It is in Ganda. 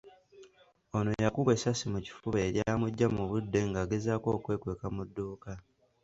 Ono yakubwa essasi mu kifuba eryamuggya mu budde ng’agezaako okwekweka mu dduuka.